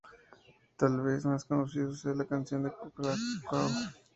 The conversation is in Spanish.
Tal vez el más conocido sea el de "La canción del Cola-Cao".